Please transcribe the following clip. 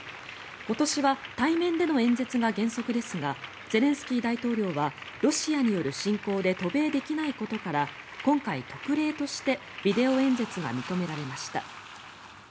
今年は対面での演説が原則ですがゼレンスキー大統領はロシアによる侵攻で渡米できないことから今回、特例としてビデオ演説が認められました。